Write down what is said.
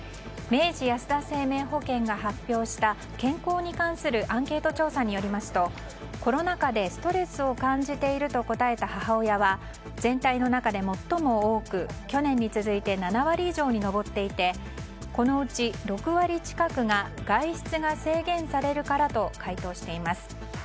明治安田生命保険が発表した健康に関するアンケート調査によりますとコロナ禍でストレスを感じていると答えた母親は全体の中で最も多く去年に続いて７割以上に上っていてこのうち、６割近くが外出が制限されるからと回答しています。